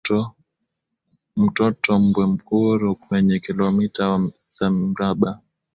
Mto Mbwemkuru wenye kilometa za mraba